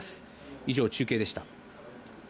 以上、中継でした。